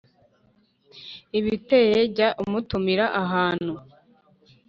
ibiteye, jya umutumira ahantu